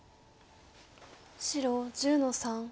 白１０の三。